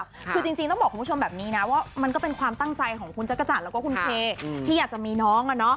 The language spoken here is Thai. คือจริงต้องบอกคุณผู้ชมแบบนี้นะว่ามันก็เป็นความตั้งใจของคุณจักรจันทร์แล้วก็คุณเคที่อยากจะมีน้อง